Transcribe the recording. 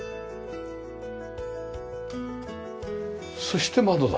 そして窓だ。